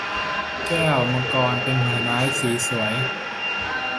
แก้วมังกรเป็นผลไม้สีสวย